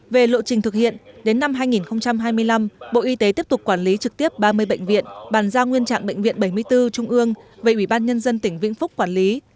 về lộ trình thực hiện đến năm hai nghìn hai mươi năm bộ y tế tiếp tục quản lý trực tiếp ba mươi bệnh viện bàn giao nguyên trạng bệnh viện bảy mươi bốn trung ương về ủy ban nhân dân tỉnh vĩnh phúc quản lý